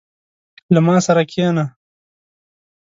• له ما سره کښېنه.